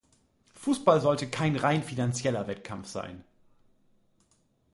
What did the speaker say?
Fußball sollte kein rein finanzieller Wettkampf sein.